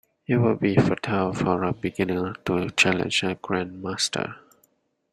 It would be futile for a beginner to challenge a grandmaster.